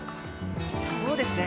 そうですね！